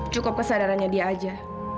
cukup kesadarannya dia aja